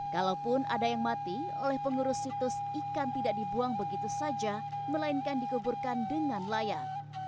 kalaupun ada yang mati oleh pengurus situs ikan tidak dibuang begitu saja melainkan dikuburkan dengan layak